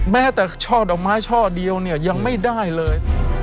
แม้แต่ช่อดอกไม้ช่อเดียวเนี่ยยังไม่ได้เลย